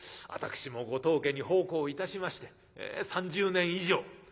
「私もご当家に奉公いたしまして３０年以上。